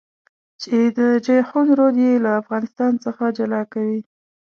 چې د جېحون رود يې له افغانستان څخه جلا کوي.